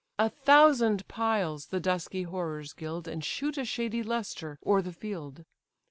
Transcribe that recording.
A thousand piles the dusky horrors gild, And shoot a shady lustre o'er the field.